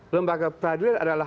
lembaga peradilan adalah